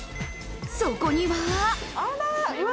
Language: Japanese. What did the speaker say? そこには。